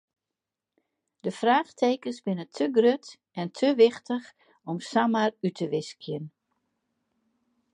De fraachtekens binne te grut en te wichtich om samar út te wiskjen.